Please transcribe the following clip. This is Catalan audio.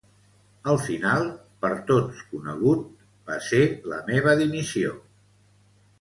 El final, per tots conegut, va ser la meva dimissió.